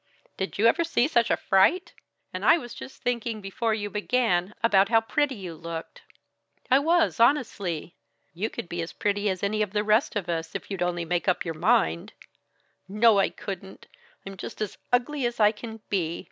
"Did you ever see such a fright? And I was just thinking, before you began, about how pretty you looked. I was, honestly. You could be as pretty as any of the rest of us, if you'd only make up your mind " "No, I couldn't! I'm just as ugly as I can be.